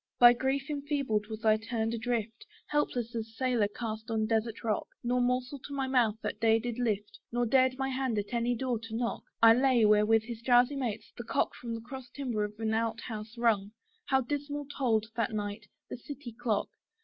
By grief enfeebled was I turned adrift, Helpless as sailor cast on desart rock; Nor morsel to my mouth that day did lift, Nor dared my hand at any door to knock. I lay, where with his drowsy mates, the cock From the cross timber of an out house hung; How dismal tolled, that night, the city clock!